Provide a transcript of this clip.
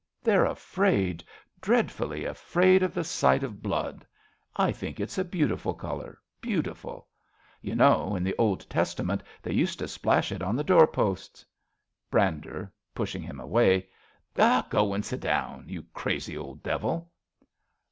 They're afraid, Dreadfully afraid, of the sight of blood. I think it's a beautiful colour, beautiful ! You know, in the Old Testament, they used To splash it on the door posts. Brandeb {pushing him away). Go and sit down. You crazy old devil